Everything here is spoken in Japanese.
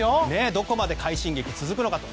どこまで快進撃が続くのか。